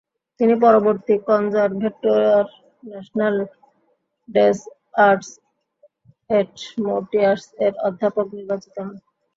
তিনি পরবর্তীতে Conservatoire National des Arts et মেটিয়ার্স-এর অধ্যাপক নির্বাচিত হন।